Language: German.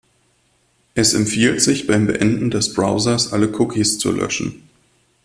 Es empfiehlt sich, beim Beenden des Browsers alle Cookies zu löschen.